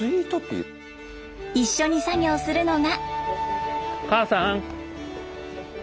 一緒に作業するのが。